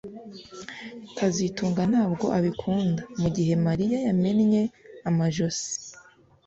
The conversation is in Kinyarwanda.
kazitunga ntabwo abikunda mugihe Mariya yamennye amajosi